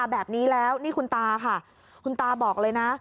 แบบนี้แล้วนี่คุณตาค่ะคุณตาบอกเลยนะ